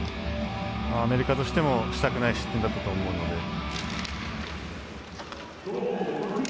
アメリカとしてもしたくない失点だったと思うので。